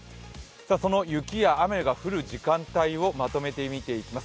その雪や雨が降る時間帯をまとめてみていきます。